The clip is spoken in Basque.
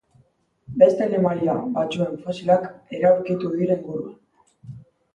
Beste animalia batzuen fosilak ere aurkitu dira inguruan.